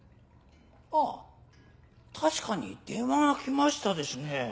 あぁ確かに電話が来ましたですね。